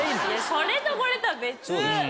それとこれとは別！